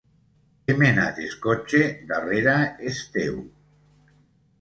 He menat es cotxe darrera es teu.